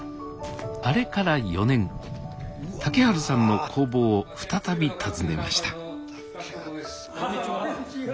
あれから４年竹春さんの工房を再び訪ねましたこんにちは。